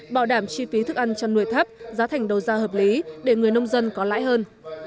bảo đảm chi phí thức ăn chăn nuôi thấp giá thành đầu ra hợp lý để người nông dân có lãi hơn